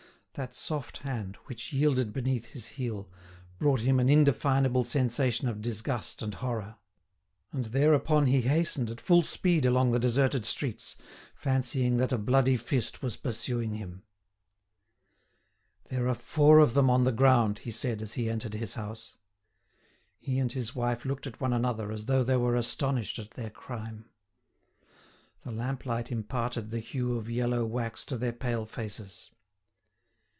That soft hand, which yielded beneath his heel, brought him an indefinable sensation of disgust and horror. And thereupon he hastened at full speed along the deserted streets, fancying that a bloody fist was pursuing him. "There are four of them on the ground," he said, as he entered his house. He and his wife looked at one another as though they were astonished at their crime. The lamplight imparted the hue of yellow wax to their pale faces.